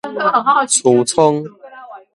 趨蹌